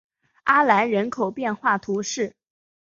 阿兰人口变化图示